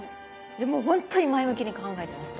でもうほんとに前向きに考えてますと。